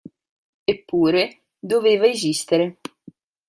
Eppure, doveva esistere.